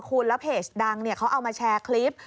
คุณแล้วเพจดังเขาเอามาแชร์คลิป